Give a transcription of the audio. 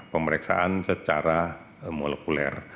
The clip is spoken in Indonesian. pemeriksaan secara molekul